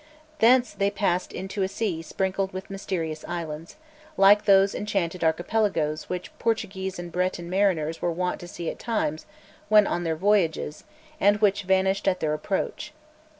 Thence they passed into a sea sprinkled with mysterious islands, like those enchanted archipelagoes which Portuguese and Breton mariners were wont to see at times when on their voyages, and which vanished at their approach.